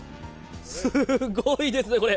すごいですね、これ。